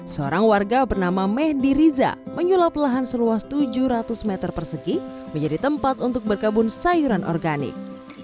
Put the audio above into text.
seorang warga bernama mehdi riza menyulap lahan seluas tujuh ratus meter persegi menjadi tempat untuk berkebun sayuran organik